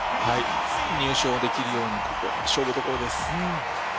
入賞できるように、勝負どころです。